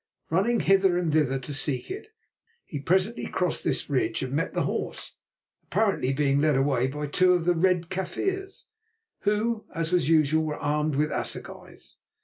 Running hither and thither to seek it, he presently crossed this ridge and met the horse, apparently being led away by two of the Red Kaffirs, who, as was usual, were armed with assegais.